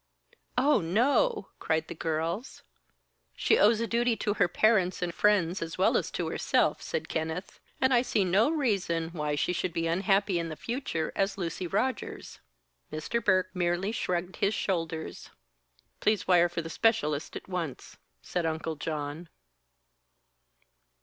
"Oh, no!" cried the girls. "She owes a duty to her parents and friends, as well as to herself," said Kenneth, "and I see no reason why she should be unhappy in the future as Lucy Rogers." Mr. Burke merely shrugged his shoulders. "Please wire for the specialist at once," said Uncle John.